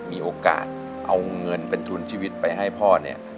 มีโอกาสเอาเงินเป็นทุนชีวิตไปให้พ่อเนี่ย